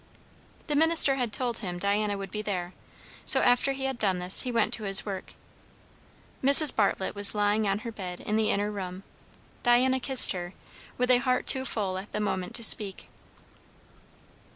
The minister had told him Diana would be there; so after he had done this he went to his work. Mrs. Bartlett was lying on her bed in the inner room. Diana kissed her, with a heart too full at the moment to speak.